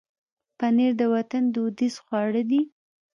پنېر د وطن دودیز خواړه دي.